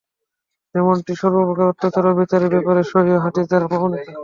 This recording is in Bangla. যেমনটি সর্বপ্রকার অত্যাচার-অবিচারের ব্যাপারে সহীহ হাদীস দ্বারা প্রমাণিত।